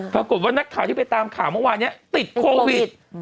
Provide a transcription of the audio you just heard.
ปรากฏว่านักข่าวที่ไปตามข่าวเมื่อวานนี้ติดโควิด